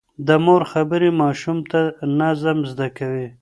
د مور خبرې ماشوم ته نظم زده کوي.